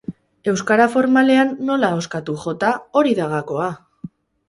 Euskara formalean, nola ahoskatu "jota"? Hori da gakoa!